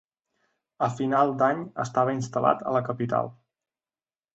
A final d'any estava instal·lat a la capital.